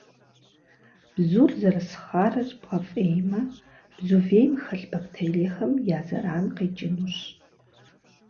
Бзур зэрыс хъарыр бгъэфӏеймэ, бзу вейм хэлъ бактериехэм я зэран къекӏынущ.